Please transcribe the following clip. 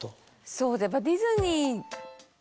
そうやっぱディズニー。